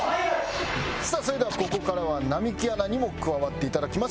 さあそれではここからは並木アナにも加わっていただきます。